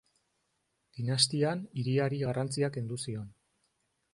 Dinastian, hiriari garrantzia kendu zion.